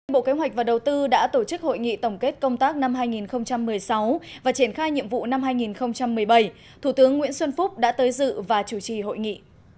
bộ kế hoạch và đầu tư đã tổ chức hội nghị tổng kết công tác năm hai nghìn một mươi sáu và triển khai nhiệm vụ năm hai nghìn một mươi bảy thủ tướng nguyễn xuân phúc đã tới dự và chủ trì hội nghị